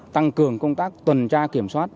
tăng cường công tác tuần tra kiểm soát